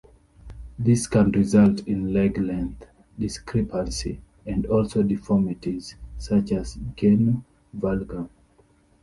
This can result in leg length discrepancy, and also deformities such as genu valgum.